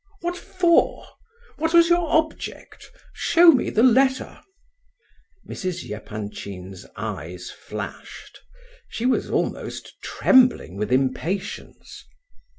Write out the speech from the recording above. "What for? What was your object? Show me the letter." Mrs. Epanchin's eyes flashed; she was almost trembling with impatience.